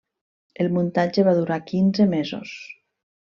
El muntatge va durar quinze mesos.